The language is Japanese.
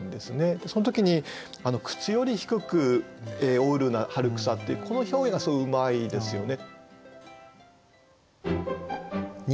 その時に「靴よりひくく生ふる春草」っていうこの表現がすごいうまいですよね。